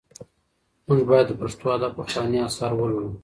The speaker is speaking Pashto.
موږ باید د پښتو ادب پخواني اثار ولولو.